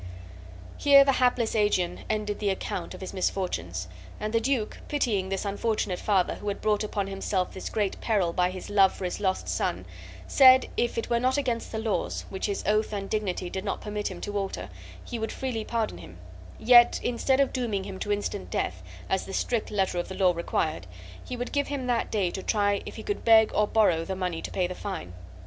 Here the hapless Aegeon ended the account of his misfortunes; and the duke, pitying this unfortunate father who had brought upon himself this great peril by his love for his lost son, said if it were not against the laws, which his oath and dignity did not permit him to alter, he would freely pardon him; yet, instead of dooming him to instant death, as the strict letter of the law required, he would give him that day to try if he could beg or borrow the money to pay the fine.